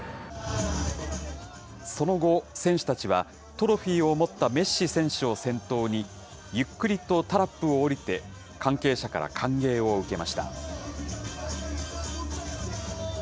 その後、選手たちは、トロフィーを持ったメッシ選手を先頭に、ゆっくりとタラップを下りて、関係者から歓迎を受けました。